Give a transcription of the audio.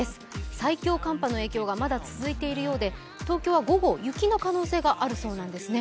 最強寒波の影響がまだ続いているようで東京は午後、雪の可能性があるそうなんですね。